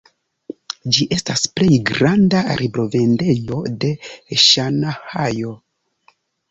Ĝi estas plej granda librovendejo de Ŝanhajo.